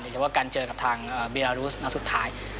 โดยเฉพาะการเจอกับทางเบรารูซทางสุดท้าย